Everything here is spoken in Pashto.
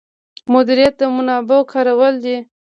مدیریت د منابعو کارول دي